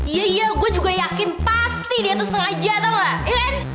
iya iya gue juga yakin pasti dia tuh sengaja tau gak ilin